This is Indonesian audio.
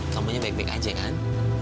kamu nya baik baik aja kan